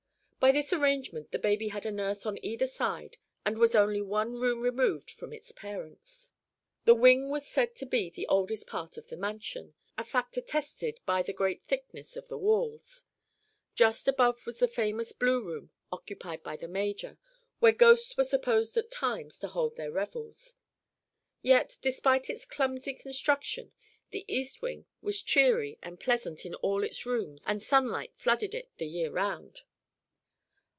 By this arrangement the baby had a nurse on either side and was only one room removed from its parents. This wing was said to be the oldest part of the mansion, a fact attested by the great thickness of the walls. Just above was the famous blue room occupied by the major, where ghosts were supposed at times to hold their revels. Yet, despite its clumsy construction, the East Wing was cheery and pleasant in all its rooms and sunlight flooded it the year round.